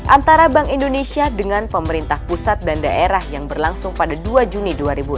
antara bank indonesia dengan pemerintah pusat dan daerah yang berlangsung pada dua juni dua ribu enam belas